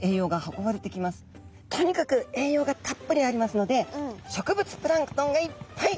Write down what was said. とにかく栄養がたっぷりありますので植物プランクトンがいっぱい！